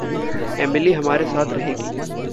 Emily हमारे साथ रहेगी।